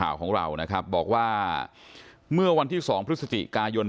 ข่าวของเรานะครับบอกว่าเมื่อวันที่๒พฤศจิกายน